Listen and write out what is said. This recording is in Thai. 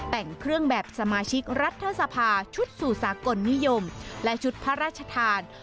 แต่งเครื่องแบบสมาชิกรัฐสภาชุดสู่สากลนิยมและชุดพระราชทาน